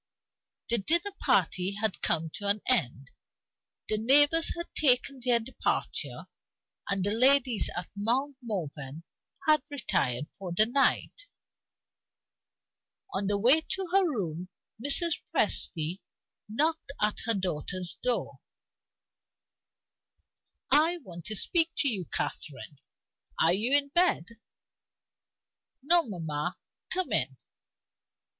The dinner party had come to an end; the neighbors had taken their departure; and the ladies at Mount Morven had retired for the night. On the way to her room Mrs. Presty knocked at her daughter's door. "I want to speak to you, Catherine. Are you in bed?" "No, mamma. Come in."